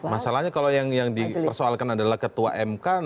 masalahnya kalau yang dipersoalkan adalah ketua mk nah ini bagaimana ini kemudian